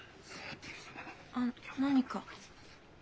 あっ何か？